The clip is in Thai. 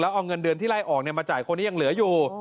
เอาเงินเดือนที่ไล่ออกมาจ่ายคนนี้ยังเหลืออยู่